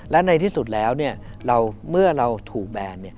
และในที่สุดแล้วเมื่อเราถูกแบน